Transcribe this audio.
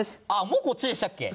もうこっちでしたっけ？